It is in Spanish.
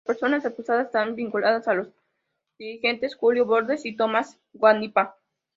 Las personas acusadas están vinculadas a los dirigentes Julio Borges y Tomas Guanipa.